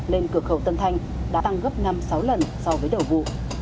lên cửa khẩu tân thanh đã tăng gấp năm sáu lần so với đầu vụ